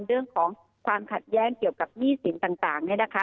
เรื่องของความขัดแย้งเกี่ยวกับหนี้สินต่างเนี่ยนะคะ